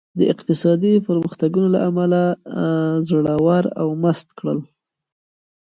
د اقتصادي پرمختګونو له امله زړور او مست کړل.